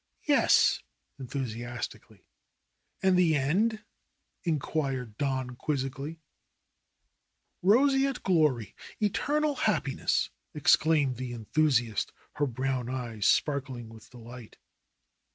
"Yes," enthusiastically. "And the end ?" inquired Don quizzically. THE ROSE COLORED WORLD 19 ''Roseate glory ! Eternal happiness !" exclaimed the enthusiast, her brown eyes sparkling with delight.